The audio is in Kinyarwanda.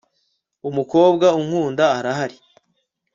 Umukobwa unkunda arahari